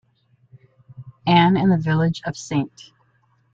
Anne and the village of Ste.